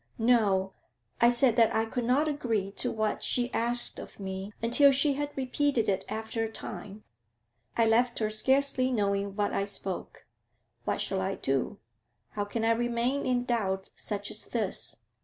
'No. I said that I could not agree to what she asked of me until she had repeated it after a time. I left her scarcely knowing what I spoke. What shall I do? How can I remain in doubt such as this?